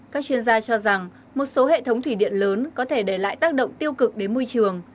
các chuyên gia cho rằng một số hệ thống thủy điện lớn có thể để lại tác động tiêu cực đến môi trường